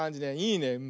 いいね。